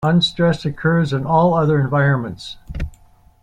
Unstressed occurs in all other environments.